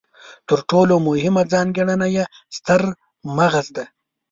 تر ټولو مهمه ځانګړنه یې ستر مغز دی.